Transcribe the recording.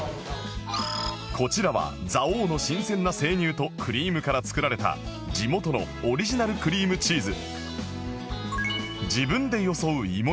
こちらは蔵王の新鮮な生乳とクリームから作られた地元のオリジナルクリームチーズ